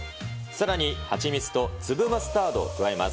さらに蜂蜜と粒マスタードを加えます。